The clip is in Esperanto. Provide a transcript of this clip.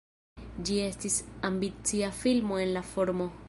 Ĝi estis ambicia filmo en la formo.